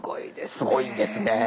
すごいですね。